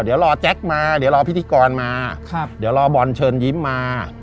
เดี๋ยวรอแจ๊คมาเดี๋ยวรอพิธีกรมาเดี๋ยวรอบอลเชิญยิ้มมา